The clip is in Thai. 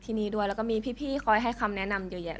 ที่นี่ด้วยแล้วก็มีพี่คอยให้คำแนะนำเยอะแยะ